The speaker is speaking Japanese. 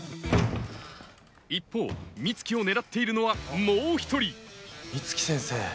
一方美月を狙っているのはもう一人美月先生。